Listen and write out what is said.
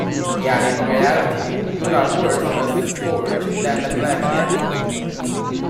Yet, in reality, you are worse a scourge than the Black Death.